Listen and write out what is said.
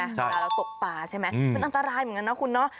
เวลาเราตกป่าใช่ไหมมันอันตรายเหมือนกันนะคุณเนาะ